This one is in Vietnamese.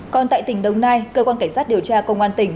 còn tại tỉnh đồng nai cơ quan cảnh sát điều tra công an tỉnh